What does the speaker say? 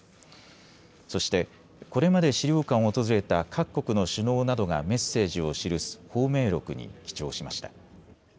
そして、これまで資料館を訪れた各国の首脳などがメッセージを記す芳名録に記帳しました。